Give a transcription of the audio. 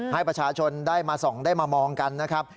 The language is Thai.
ให้ประชาชนได้มาส่องได้มามองกันนะครับ